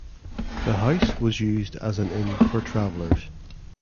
The house was used as an inn for travelers.